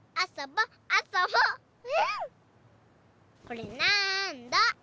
これなんだ？